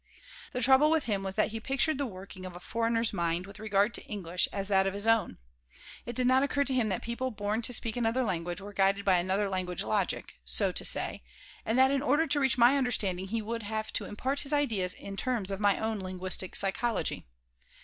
The trouble with him was that he pictured the working of a foreigner's mind, with regard to English, as that of his own. It did not occur to him that people born to speak another language were guided by another language logic, so to say, and that in order to reach my understanding he would have to impart his ideas in terms of my own linguistic psychology.